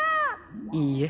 いいえ。